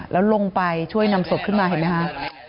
แล้วลงไปช่วยนำศพขึ้นมาเห็นไหมคะ